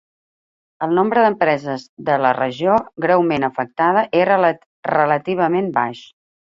El nombre d'empreses de la regió greument afectada era relativament baix.